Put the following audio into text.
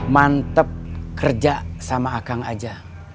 mantep kerja sama akang aja